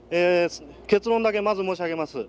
結論だけまず申し上げます。